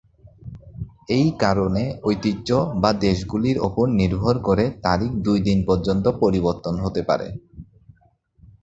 এই কারণে, ঐতিহ্য বা দেশগুলির উপর নির্ভর করে তারিখ দুই দিন পর্যন্ত পরিবর্তন হতে পারে।